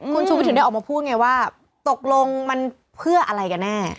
คุณชูวิทถึงได้ออกมาพูดไงว่าตกลงมันเพื่ออะไรกันแน่